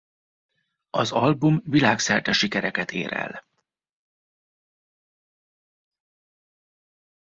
Az album világszerte sikereket ér el.